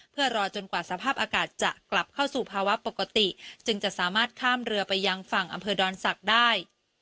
เพื่อรอจนกว่าสภาพอากาศจะกลับเข้าสู่ภาวะปกติจึงจะสามารถข้ามเรือไปยังฝั่งอำเภอดอนศักดิ์ได้